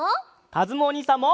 かずむおにいさんも！